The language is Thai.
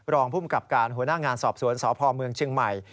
รองภูมิกับการหัวหน้างานสอบสวนสพเมืองเชียงใหม่